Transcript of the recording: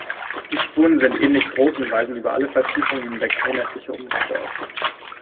Die Spuren sind ähnlich groß und weisen über alle Vertiefungen hinweg einheitliche Umrisse auf.